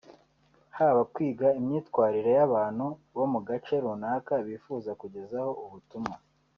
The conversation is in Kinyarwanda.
haba kwiga imyitwarire y’abantu bo mu gace runaka bifuza kugezaho ubutumwa